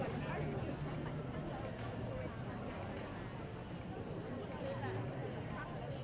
ไม่รู้ว่ากันเลยครับ